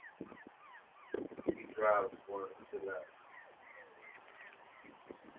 He drives one to left.